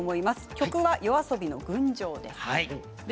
曲はＹＯＡＳＯＢＩの「群青」です。